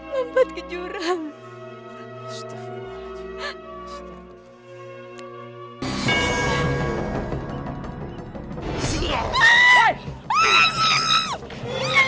lompat ke jurang